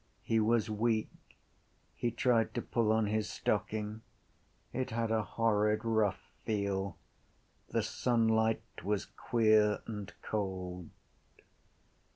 He was weak. He tried to pull on his stocking. It had a horrid rough feel. The sunlight was queer and cold.